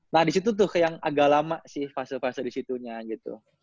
nah disitu tuh kayak yang agak lama sih fase fase disitunya gitu